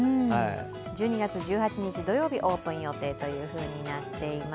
１２月１８日土曜日オープン予定となっています。